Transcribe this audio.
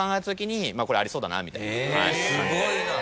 すごいな。